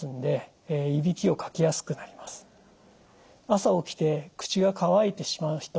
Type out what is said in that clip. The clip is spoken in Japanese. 朝起きて口が乾いてしまう人